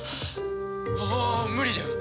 ああ無理だよ！